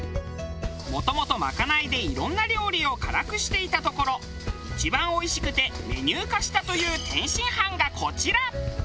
もともとまかないでいろんな料理を辛くしていたところ一番おいしくてメニュー化したという天津飯がこちら！